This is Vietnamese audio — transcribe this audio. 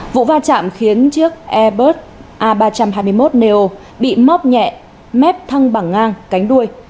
vụ va chạm khiến chiếc airbus a ba trăm hai mươi một neo bị móc nhẹ mép thăng bằng ngang cánh đuôi